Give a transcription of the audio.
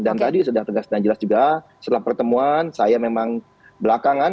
dan tadi sudah tegas dan jelas juga setelah pertemuan saya memang belakangan